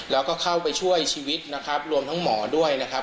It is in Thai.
แล้วก็เข้าไปช่วยชีวิตนะครับรวมทั้งหมอด้วยนะครับ